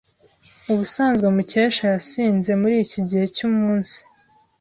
Ubusanzwe Mukesha yasinze muriki gihe cyumunsi.